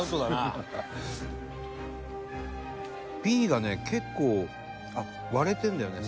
Ｂがね結構割れてんだよね。